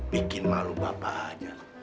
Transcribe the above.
bikin malu bapak aja